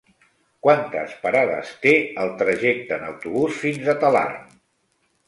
Quantes parades té el trajecte en autobús fins a Talarn?